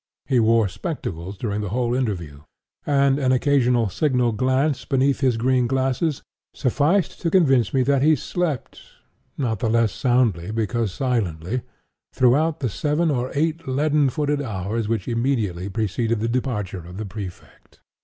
He wore spectacles, during the whole interview; and an occasional signal glance beneath their green glasses, sufficed to convince me that he slept not the less soundly, because silently, throughout the seven or eight leaden footed hours which immediately preceded the departure of the Prefect.